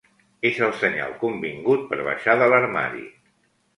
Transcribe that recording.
És el senyal convingut per baixar de l'armari.